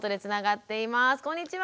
こんにちは。